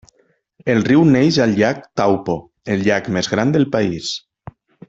El riu neix al llac Taupo, el llac més gran del país.